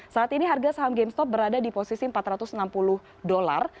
saat ini harga saham gamestop berada di posisi empat ratus enam puluh dolar